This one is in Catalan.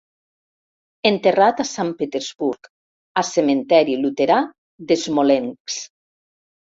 Enterrat a Sant Petersburg a Cementiri Luterà de Smolensk.